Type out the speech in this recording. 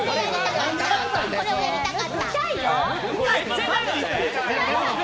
これをやりたかった。